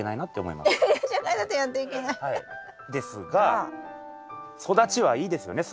ですが育ちはいいですよね